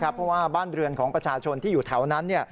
เพราะว่าบ้านเรือนของประชาชนที่อยู่แถวนั้น